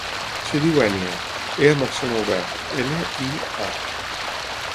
Es diu Ènia: e amb accent obert, ena, i, a.